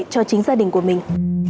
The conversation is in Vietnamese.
cho chính gia đình của mình